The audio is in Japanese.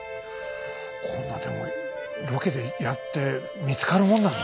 こんなでもロケでやって見つかるもんなの？